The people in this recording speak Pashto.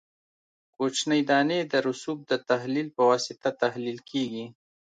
کوچنۍ دانې د رسوب د تحلیل په واسطه تحلیل کیږي